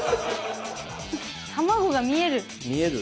卵が見える。